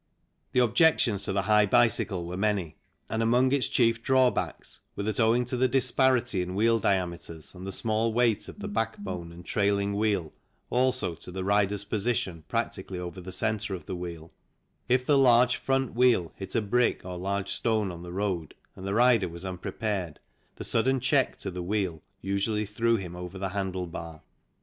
The objections to the high bicycle were many, and among its chief drawbacks were that owing to the disparity in wheel diameters and the small weight of the backbone and trailing wheel, also to the rider's position practically over the centre of the wheel, if the large front wheel hit a brick or large stone on the road, and the rider was unprepared, the sudden check to the wheel usually threw him over the handlebar.